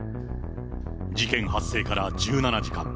事件発生から１７時間。